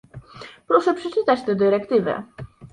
Proszę przeczytać tę dyrektywę